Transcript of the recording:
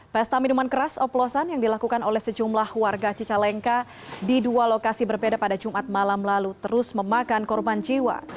pesta minuman keras oplosan yang dilakukan oleh sejumlah warga cicalengka di dua lokasi berbeda pada jumat malam lalu terus memakan korban jiwa